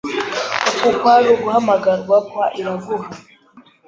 Uku kwari uguhamagarwa kwa Iraguha.